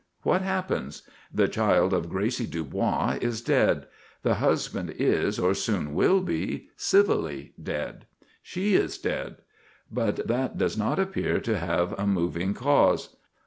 What happens? The child of 'Gracie Dubois' is dead. The husband is, or soon will be, civilly dead. She is dead: but that does not appear to have a moving cause.